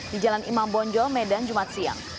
di jalan imam bonjol medan jumat siang